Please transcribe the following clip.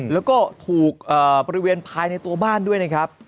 แล้วก็ถูกบริเวณภายในตัวบ้านด้วยนะครับ